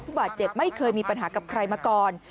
ผู้บาดเจ็บไม่เคยมีปัญหากับใครมาก่อน